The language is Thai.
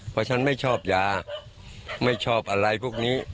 เพราะฉันไม่ชอบยาไม่ชอบอะไรพวกนี้